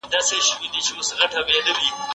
ایا د طبیعي ډیوډرنټ استعمال خوندي دی؟